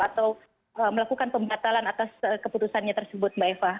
atau melakukan pembatalan atas keputusannya tersebut mbak eva